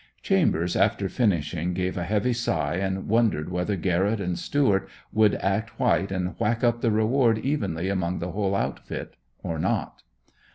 Chambers, after finishing gave a heavy sigh and wondered whether Garrett and Stuart would act white and whack up the reward evenly among the whole outfit, or not.